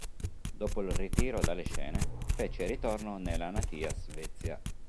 Dopo il ritiro dalle scene fece ritorno nella natia Svezia.